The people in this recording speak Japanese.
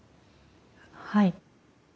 はい。